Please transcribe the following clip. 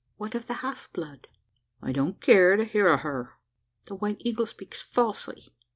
"What of the half blood?" "I don't care to hear o' her." "The White Eagle speaks falsely!